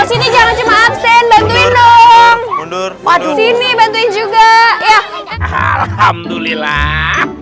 posisi jangan cuma absen nung mundur mundur ini bantuin juga ya alhamdulillah